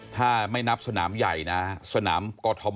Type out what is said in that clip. ถ้าไม่นับสนามใหญ่นะสนามกอทม